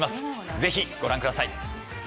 ぜひご覧ください。